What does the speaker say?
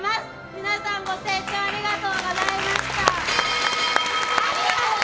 皆さんご清聴ありがとうございました。